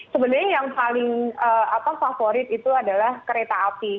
sebenarnya yang paling favorit itu adalah kereta api